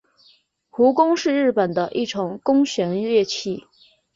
胡弓是日本的一种弓弦乐器。